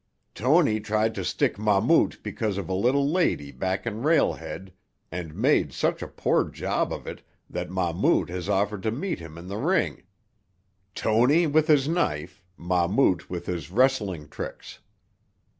"Tony tried to stick Mahmout because of a little lady back in Rail Head, and made such a poor job of it that Mahmout has offered to meet him in the ring; Tony with his knife, Mahmout with his wrestling tricks.